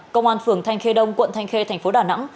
công an phường thanh khê đông quận thanh khê thành phố đà nẵng